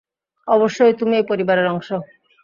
অবশ্যই, তুমি এই পরিবারের অংশ।